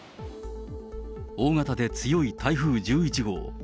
大型で強い台風１１号。